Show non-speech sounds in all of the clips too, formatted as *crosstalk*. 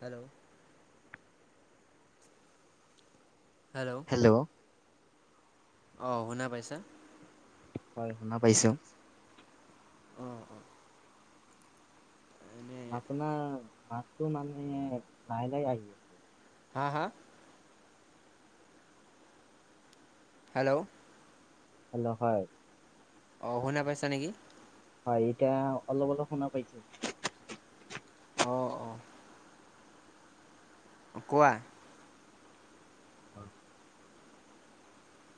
Hello. Hello. অ' শুনা পাইছা? হয়, শুনা পাইছো। উম, উম। আপোনাৰ মাতটো মানে, লাহ লাহে আহি আছে। হা, হা? হেল্ল। হে'ল, হয়। অ', শুনা পাইছা নেকি? হয়, এতিয়া অলপ অলপ শুনা পাইছো। অ', অ'। কোৱা। হয়।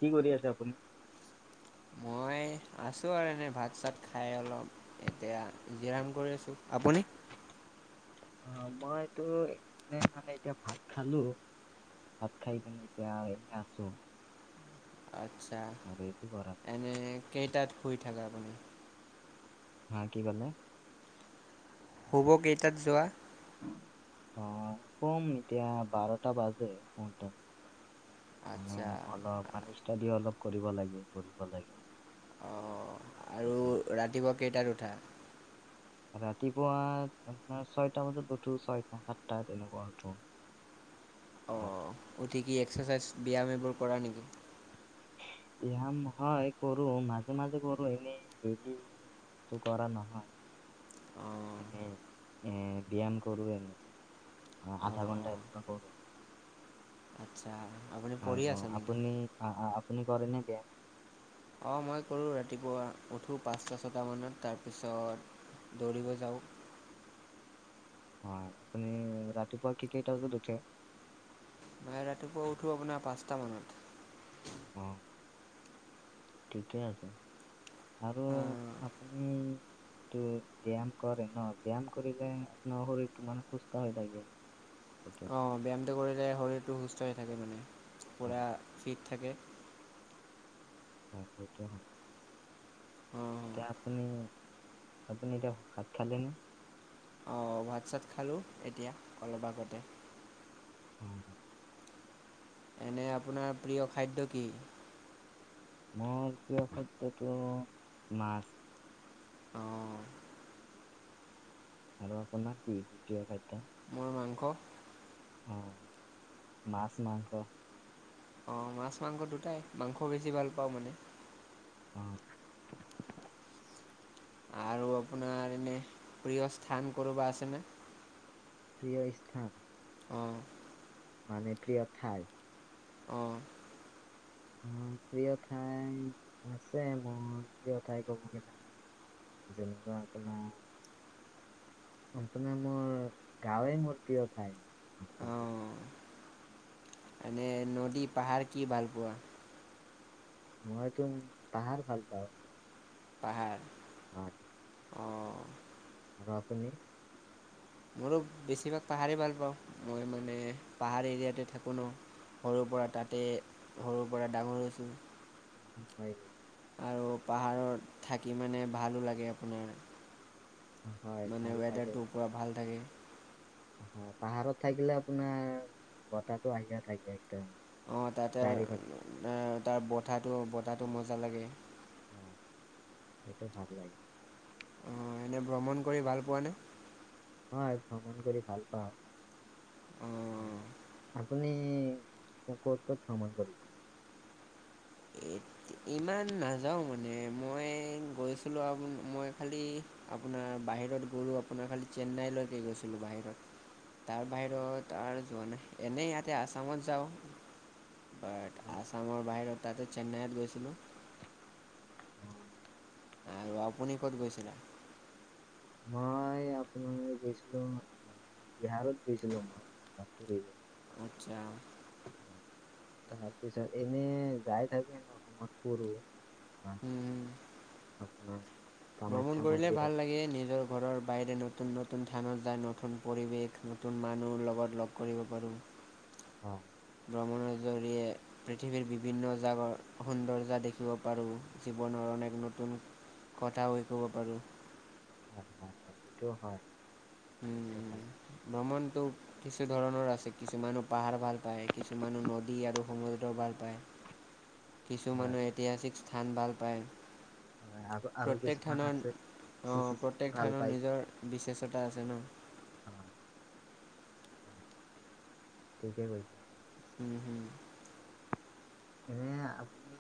কি কৰি আছে আপুনি? মই এ আছো আৰু এনে ভাত চাত খাই অলপ এতিয়া জিৰাম কৰি আছো, আপুনি? অ' মইতো এনেই মানে এতিয়া ভাত খালো। ভাত খাই কেনি এতিয়া এনে আছো আচ্ছা আৰু একো কৰা নাই। এনে কেইটাত শুই থাকে আপুনি হা কি কলে শুব কেইটাত যোৱা অ' কম এতিয়া বাৰটা বাজে শুওতে মানে আচ্ছা অলপ মানে ষ্টাডি অলপ কৰিব লাগে পঢ়িব লাগে অলপ অ', আৰু সেইকাৰণে। ৰাতিপুৱা কেইটাত উঠা ৰাতিপুৱা আপোনাৰ ছয়টা বজাত উঠো ছয়টা সাতটা তেনেকুৱা উঠো অ', ৰাতিপুৱা। উঠি কি এক্সাৰচাইজ ব্যায়াম এইবোৰ কৰা নেকি ব্যায়াম হয় কৰো মাজে মাজে কৰো এনেই ডেইলি কৰা নহয় অঁ এনেই এ ব্যায়াম কৰোঁ এনেই অ' অঁ আধা ঘণ্টা অঁ এনেকুৱা কৰো আচ্ছা আপুনি পঢ়ি আৰু আছে নেকি? আপুনি আহ আপুনি কৰে নে বায়াম অ', মই কৰোঁ ৰাতিপুৱা উঠো পাঁচটা ছটা মানত তাৰপিছত দৌৰিব যাওঁ হয় আপুনি ৰাতিপুৱা কি কেইটা বজাত উঠে মই ৰাতিপুৱা উঠো আপোনাৰ পাঁচটা মানত অ' ঠিকেই আছে আৰু আহ, আপুনি ব্যায়াম কৰে ন ব্যায়াম কৰিলে আপোনাৰ শৰীৰটো মানে সুস্থ হৈ থাকে সেইটো অ', ব্যায়ামটো কৰিলে শৰীৰটো সুস্থ হৈ থাকে মানে পূৰা হয় ফিট থাকে হয় সেইটো হয় অঁ এতিয়া আপুনি আপুনি এতিয়া ভাত খালেনে অ', ভাতছাত খালোঁ এতিয়া অলপ আগতে উম এনে আপোনাৰ প্ৰিয় খাদ্য কি মোৰ প্ৰিয় খাদ্যটো মাছ অ', আৰু আপোনাৰ কি প্ৰিয় খাদ্য মোৰ মাংস অ', মাছ মাংস অ', মাছ মাংস দুটাই মাংস বেছি ভাল পাওঁ মানে অ', আৰু আপোনাৰ এনে প্ৰিয় স্থান কোনোবা আছেনে প্ৰিয় স্থান অ' মানে প্ৰিয় ঠাই অ' অ' প্ৰিয় ঠাই আছে মোৰ প্ৰিয় ঠাই ক'ব গলে মোৰ যেনেকোৱা আপোনাৰ মোৰ গাঁৱে মোৰ প্ৰিয় ঠাই মোৰ কিন্তু অ' এনে নদী পাহাৰ কি ভাল পোৱা মই তো পাহাৰ ভাল পাওঁ মই পাহাৰ হয় অ', আৰু আপুনি মোৰো বেছিভাগ পাহাৰেই ভাল পাওঁ মই মানে পাহাৰ এৰিয়াতে থাকো ন সৰুৰ পৰা তাতেই সৰুৰ পৰা ডাঙৰ হৈছোঁ হয়, নেকি? আৰু পাহাৰত থাকি মানে ভালো লাগে আপোনাৰ হয় মানে ভাল লাগে ৱেডাৰটো পুৰা ভাল থাকে। পাহাৰত থাকিলে আপোনাৰ বতাহটো আহিয়ে থাকে। একদম অ', তাতে চাৰিওফালে। এ তাৰ বতাটো, বতাটো মজা লাগে। হয়, সেইটো ভাল লাগে। অ', এনে ভ্ৰমণ কৰি ভাল পোৱা নে? হয়, ভ্ৰমণ কৰি ভাল পাওঁ। এ অ'। আপুনি ক'ত, ক'ত ভ্ৰমণ কৰিছে? *unintelligible* ইমান নাযাওঁ মানে মই গৈছিলোঁ অ', মই খালি আপোনাৰ বাহিৰত গ'লো আপোনাৰ খালি চেন্নাইলৈকে গৈছিলোঁ বাহিৰত। তাৰ বাহিৰত আৰু যোৱা নাই এনেই ইয়াতে আছামত যাওঁ। বাট হয়, আছামৰ বাহিৰত তাতে চেন্নাইত গৈছিলোঁ। হয়। আৰু আপুনি ক'ত গৈছিলে? মই আপোনাৰ গৈছিলো বিহাৰত গৈছিলো, মই তাত ফুৰিব। আতচ্ছা। পিছত এনে যায় থাকে ন ক'ৰবাত *unintelligible* উম, উম। আপোনাৰ ভ্ৰমণ কামাখ্যা কৰিলে মন্দিৰত ভাল লাগে নিজৰ ঘৰৰ বাহিৰে নতুন, নতুন থানত যায় নতুন পৰিৱেশ, নতুন মানুহ লগত লগ কৰিব পাৰোঁ। অ'। ভ্ৰমণৰ জৰিয়ে পৃথিৱীৰ বিভিন্ন জাগৰ সৌন্দৰ্য দেখিব পাৰোঁ জীৱনৰ নতুন কথা কৈ ক'ব পাৰো। হয়, হয়, হয় সেইটো হয়। সেইটো ভাল উম, ভ্ৰমণ সিটো কিছু ধৰণৰ আছে কিছুমানো পাহাৰ ভাল পায়, কিছুমানো নদী আৰু সমুদ্ৰ ভাল পায়। হয়, কিছুমানহে ঐতিহাচিক স্থান ভাল পায়। হয়, আৰু আৰু প্ৰত্যেক কিছুমান থানন আছে চি অ', চি চি প্ৰত্যেক ভাল থানৰ পায়, নিজৰ বিচেচত তা আছে ন অ', ঠিকে কৈছা। হুম হুম এনে আপুনি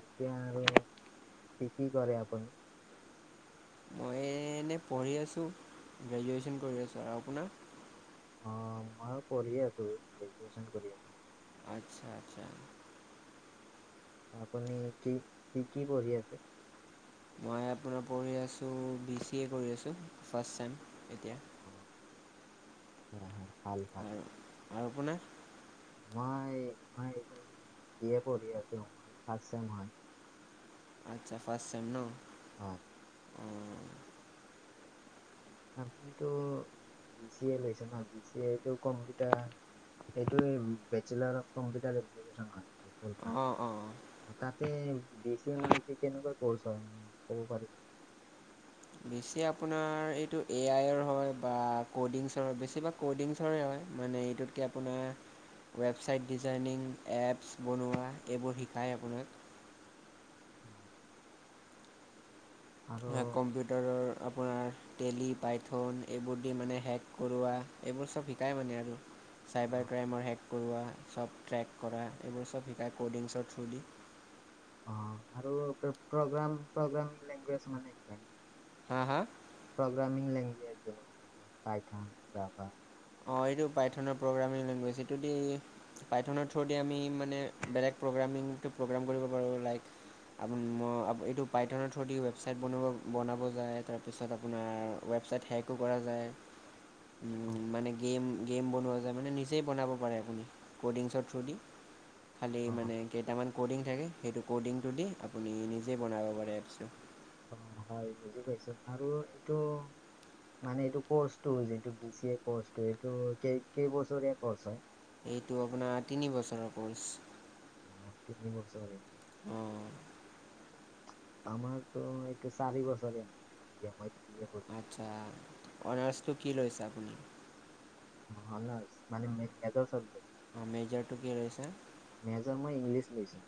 এতিয়া আৰু কি কি কৰে আপুনি? মই এনেই পঢ়ি আছোঁ গ্ৰেজুৱেচন কৰি আছোঁ আৰু আপোনাৰ? অ', মই পঢ়ি আছো গ্ৰেজুৱেচন কৰি আছো। আচ্ছা, আচ্ছা। আপুনি কি কি কি পঢ়ি আছে? মই আপোনাৰ পঢ়ি আছো বি চি এ কৰি আছো ফাৰ্ষ্ট ছেম এতিয়া কৰা হয়, ভাল, ভাল। আৰু আৰু আপোনাৰ? মই, মই এইটো বি এ পঢ়ি আছো ফাৰ্ষ্ট ছেম হয়। আচ্ছা ফাৰ্ষ্ট ছেম ন? হয়। অঁ আপনিতো বি চি এ লৈছে ন? বি চি এএইটো কম্পিউটাৰ এইটো বেচলাৰ অফ কম্পিউাৰ এপ্লিকেচন হয়। অঁ অঁ *unintelligible* তাতে বি চি এ মানে কি কেনেকুৱা কৰ্চ হয় ক'ব পাৰিবা? বি চি‌ এ আপোনাৰ এইটো এ আইৰ হয়, বা কডিংছৰ বেছিভাগ কডিংছৰে হয়। মানে এইটোতকে আপোনাৰ ৱেবছাইট ডিজাইনিং এপছ বনোৱা এইবোৰ শিকায় আপোনাক অ, আৰু হে কম্পিউটাৰৰ আপোনাৰ তেলি পাইথন এইবোৰ দি মানে হেক কৰোৱা এইবোৰ চব শিকায় মানে আৰু চাইবাৰ অ ক্ৰাইমৰ হেক কৰোৱা চব ট্ৰেক কৰা এইবোৰ চব শিকায় ক'ডিংছৰ থ্ৰ দি *unintelligible* অ আৰু প্ৰগ্ৰাম প্ৰগ্ৰাম লেংগুৱেজ মানে ন হা হা প্ৰগ্ৰামিং লেংগুৱেজ আছে পাইখান জাবা অ এই পাই থনৰ *unintelligible* আমি মান বেলেগ প্ৰগ্ৰামিংটো প্ৰগ্ৰাম কৰিব পাৰোঁ লাইক আপ এইটো পাইথনৰ থ্ৰ দি ৱেবছাইট বনাব বনাব যায় তাৰপিছত আপোনাৰ ৱেব অ *unintelligible* গেম গেম বনোৱা যায় মানে নিজেই বনাব পাৰে আপুনি ক'ডিংছৰ থ্ৰু দি খালী অ মানে কেইটামান ক'ডিং থাকে সেইটো ক'ডিংটো দি আপুনি নিজেই বনাব পাৰে এপছটো অ হয় বুজি পাইছো আৰু এইটো মানে এইটো কৰ্চটো যিটো বি চি এ কৰ্চটো এইটো কেই কেইবছৰে কৰ্চ হয় এইটো আপোনাৰ তিনি বছৰৰ কৰ্চ। অ, তিনি বছৰ অঁ আমাৰতো এইটো চাৰি বছৰীয়া *unintelligible* আছো আচ্ছা এইটো অনাৰ্চটো কি লৈছে আপুনি? *unintelligible* মানে মেজ - মেজত চাবজেক্ট অ, মেজাৰটো কি লৈছা? পইছা?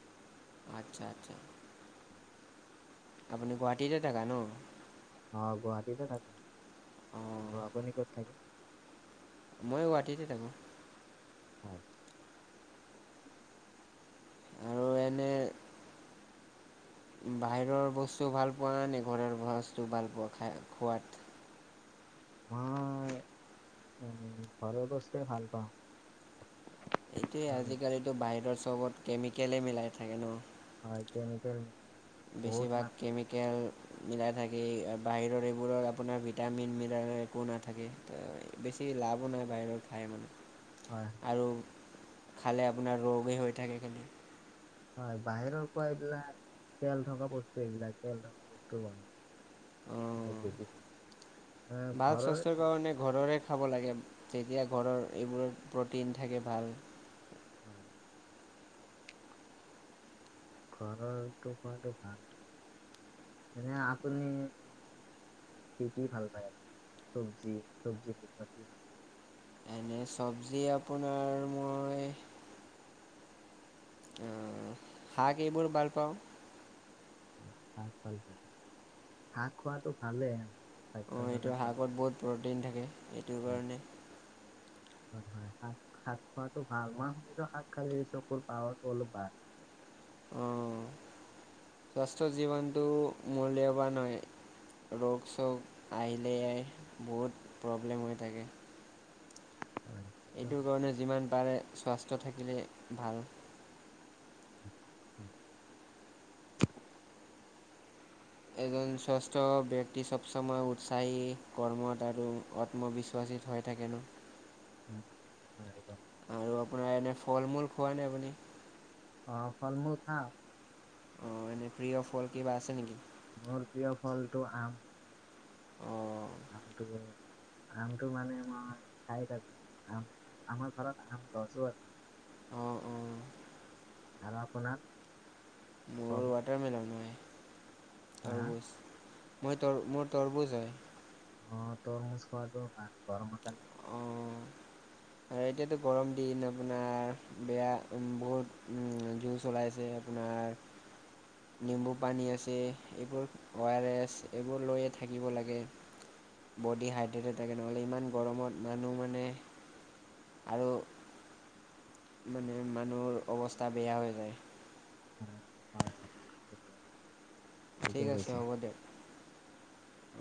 আচ্ছা-আচ্ছা। আপুনি গুৱাহাটীতে থাকা ন? অ, গুৱাহাটীতে থাকো আৰু আপুনি ক'ত থাকে? মইয় গুৱাহাটীতে থাকো। হয়। আৰু এনে বাহিৰৰ বস্তু ভাল পোৱা নে ঘৰৰ বস্তু ভাল পোৱা খাই খোৱাত? মই উম, ঘৰৰ বস্তুই ভাল পাওঁ। এইটোয়ে আমি। আজিকালিতো বাহিৰৰ চবত কেমিকলে মিলাই থাকে ন'? হয় কেমিকেল মানে বহুত বেছিভাগ মানে কেমিকেল মিলাই থাকে এই বাহিৰৰ এইবোৰৰ আপোনাৰ ভিটামিন মিলালেও একো নাথাকে বেছি এ লাভো নাই বাহিৰৰ খাই মানে। হয়, হয়, আৰু খালে আপোনাৰ ৰোগেই হৈ থাকে খালি। হয় বাহিৰৰ খোৱা এইবিলাক তেল থকা বস্তু এইবিলাক তেল থকা বস্তু বনাই। অ, এইবিলাক বেছি ভাল। এ, ভাল ঘৰৰ স্বাস্থ্যৰ খাওঁ, কাৰণে ঘৰৰে খাব লাগে, তেতিয়া ঘৰৰ এইবোৰত প্ৰটিন থাকে ভাল। হয়, হয়, ঘৰৰটো খোৱাটো ভাল। এনে আপুনি কি কি ভাল পায় আপুনি মানে চব্জি চব্জিৰ ভিতৰত কি ভাল পায়? এনে চবজি আপোনাৰ মই আহ, শাক এইবোৰ ভাল পাওঁ। অ', শাক খোৱাটো ভালেই। স্বাস্থ্যৰ অঁ কাৰণে এইটো ভাল। শাকত বহুত প্ৰটিন থাকে এইটো হয়, কাৰণে। হয় হয়, শাক শাক খোৱাটো ভাল, মই শুনিছোঁ শাক খালে চকুৰ পাৱাৰটো অলপ বাঢ়ে। আহ। স্বাস্থ্য জীৱনটো মূল্যবান হয়। ৰোগ-চোগ আহিলে বহুত প্ৰব্লেম হৈ থাকে। হয় সেইটো এইটো হয় কাৰণে যিমান পাৰে *unintelligible* থাকিলে ভাল। উম হয়। এজন শ্ৰেষ্ঠ ব্যক্তি চব সময় উৎসাহী কৰ্মত আৰু আত্মবিশ্বাস। *unintelligible* থাকেন। উম, কিবা আৰু আপোনাৰ এনে ফল-মূল খোৱা নাই আপুনি? আহ ফল-মূল খাও। অ' এনে প্ৰিয় ফ'ল কিবা আছে নেকি? মোৰ প্ৰিয় ফলটো আম। অঁ আমটো আমটো মানে মই খাই থাকো, আম আমাৰ ঘৰত আম গছো আছে। আহ, আহ। আৰু আপোনাৰ? ফল মোৰ ৱাটাৰমেলন হয়। হা হা তৰবুজ মই মোৰ তৰবুজ হয়। অ' তৰমুজ খোৱাটো ভাল গৰমৰ কাৰণে। ভাল অ, আৰু এতিয়াতো গৰম দিন আপোনাৰ বেয়া বহুত উ জু চলাইছে আমাৰ-' নিম্বু পানী আছে, এইবোৰ ৱাইৰেছ এইবোৰ লৈয়ে থাকিব লাগে, বডি হাইড্ৰেটেড থাকে নহ'লে ইমান গৰমত মানুহ মানে আৰু মানে মানুহৰ অৱস্থা বেয়া হৈ যায়, উম হয়। ঠিক ঠিকে আছে কৈছে হ'ব দিয়ক অ,